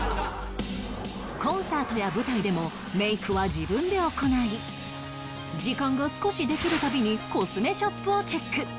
コンサートや舞台でもメイクは自分で行い時間が少しできる度にコスメショップをチェック